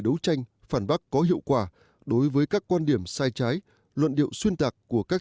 đấu tranh phản bác có hiệu quả đối với các quan điểm sai trái luận điệu xuyên tạc của các